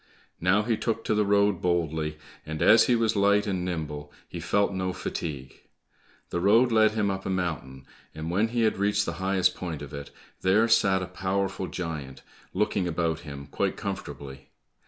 Now he took to the road boldly, and as he was light and nimble, he felt no fatigue. The road led him up a mountain, and when he had reached the highest point of it, there sat a powerful giant looking about him quite comfortably.